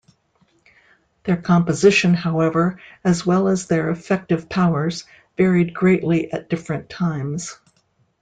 Their composition, however, as well as their effective powers, varied greatly at different times.